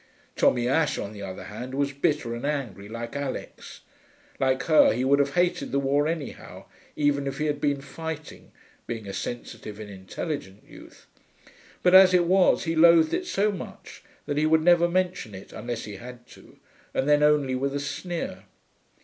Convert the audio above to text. Tommy Ashe, on the other hand, was bitter and angry like Alix; like her he would have hated the war anyhow, even if he had been fighting, being a sensitive and intelligent youth, but as it was he loathed it so much that he would never mention it unless he had to, and then only with a sneer.